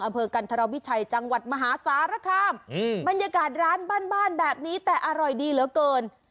อำเภอกันธรวิชัยจังหวัดมหาสารคามบรรยากาศร้านบ้านบ้านแบบนี้แต่อร่อยดีเหลือเกิน